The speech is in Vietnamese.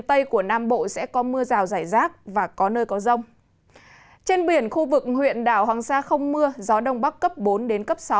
trên biển khu vực huyện đảo hoàng sa không mưa gió đông bắc cấp bốn đến cấp sáu